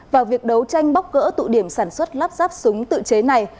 vào việc đấu tranh bóc gỡ tụ điểm sản xuất lắp ráp súng tự chế này